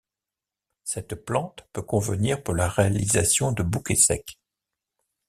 Cette plante peut convenir pour la réalisation de bouquets secs.